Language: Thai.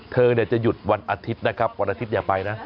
เธอจะหยุดวันอาทิตย์นะครับวันอาทิตอย่าไปนะ